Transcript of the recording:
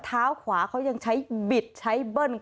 เท้าขวาเขายังใช้บิดใช้เบิ้ลเครื่องยนต์